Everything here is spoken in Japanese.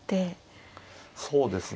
そうですね。